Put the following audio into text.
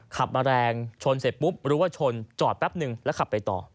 ขับมาแรงชนเสร็จปุ๊บรู้ว่าชนจอดแป๊บนึงแล้วขับไปต่อ